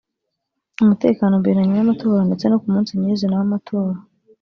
umutekano mbere na nyuma y’amatora ndetse no ku munsi nyir’izina w’amatora